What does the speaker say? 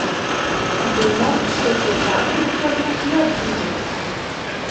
Думаў, што ўсё так прыкладна і адбудзецца.